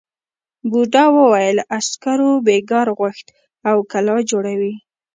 بوڊا وویل عسکرو بېگار غوښت او کلا جوړوي.